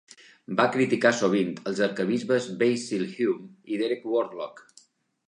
Va criticar sovint els arquebisbes Basil Hume i Derek Worlock.